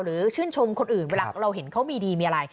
ชื่นชมคนอื่นเวลาเราเห็นเขามีดีมีอะไร